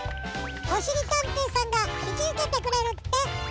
おしりたんていさんがひきうけてくれるって。